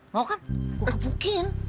mau kan gua gebukin